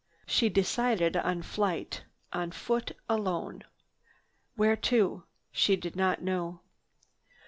She decided on flight, on foot, alone. Where to? She did not know.